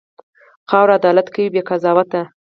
خاوره عدالت کوي، بې قضاوت.